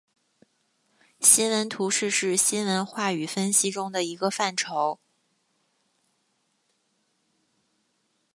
新闻图式是新闻话语分析中的一个范畴。